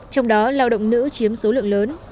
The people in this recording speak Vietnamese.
trong đó lao động nữ chiếm số lượng lớn